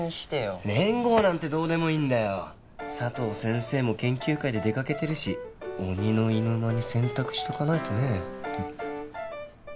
佐藤先生も研究会で出かけてるし鬼の居ぬ間に洗濯しとかないとねえ。